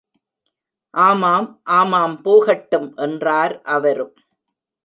ஆமாம், ஆமாம் போகட்டும் என்றார் அவரும்.